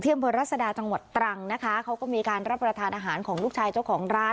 อำเภอรัศดาจังหวัดตรังนะคะเขาก็มีการรับประทานอาหารของลูกชายเจ้าของร้าน